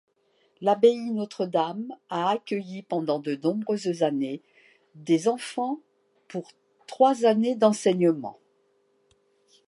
L'abbaye Notre-Dame a accueilli pendant de nombreuses années des enfants pour trois années d'enseignement.